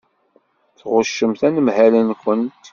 Tɣuccemt anemhal-nkent.